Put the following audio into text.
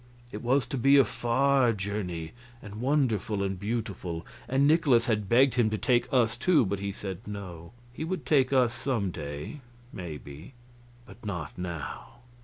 It was to be a far journey, and wonderful and beautiful; and Nikolaus had begged him to take us, too, but he said no, he would take us some day, maybe, but not now.